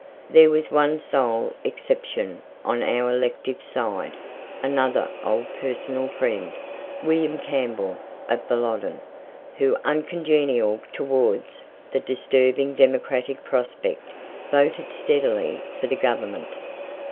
There was one sole exception on our elective side (another old personal friend), William Campbell, of the Loddon, who, uncongenial towards the disturbing democratic prospect, voted steadily for the Government.